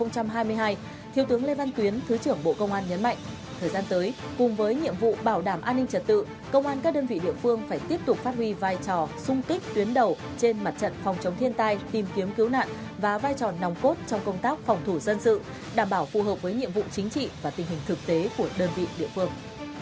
công an các đơn vị địa phương phải tiếp tục phát huy vai trò xung kích tuyến đầu trên mặt trận phòng chống thiên tai tìm kiếm cứu nạn và vai trò nòng cốt trong công tác phòng thủ dân sự đảm bảo phù hợp với nhiệm vụ chính trị và tình hình thực tế của đơn vị địa phương